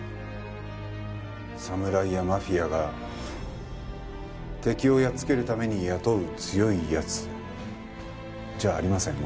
侍やマフィアが敵をやっつけるために雇う強い奴じゃありません。